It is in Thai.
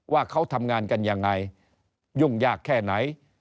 ว่าเขาทำงานกันยังไงยุ่งยากแค่ไหน